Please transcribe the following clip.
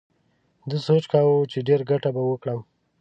ده سوچ کاوه چې ډېره گټه به وکړم.